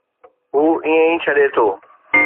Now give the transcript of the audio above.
هو ائين ئي ڇڏي ٿو